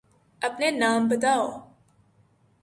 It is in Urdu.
أپنے نام بتاؤ۔